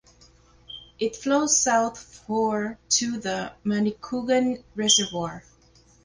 It flows south for to the Manicouagan Reservoir.